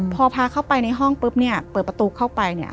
พอพาเข้าไปในห้องปุ๊บเนี่ยเปิดประตูเข้าไปเนี่ย